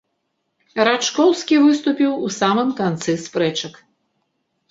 Рачкоўскі выступіў у самым канцы спрэчак.